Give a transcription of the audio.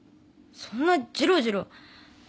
そんなじろじろ。